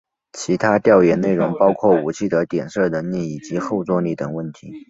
其他调研内容包括武器的点射能力以及后座力等问题。